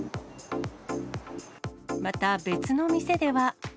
また別の店では。